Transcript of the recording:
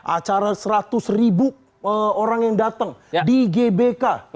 acara seratus ribu orang yang datang di gbk